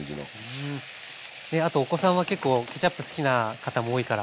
あとお子さんは結構ケチャップ好きな方も多いから。